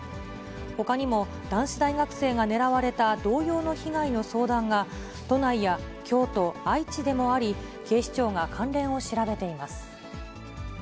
ほかにも男子大学生が狙われた同様の被害の相談が、都内や京都、愛知でもあり、警視庁が関連を調べています。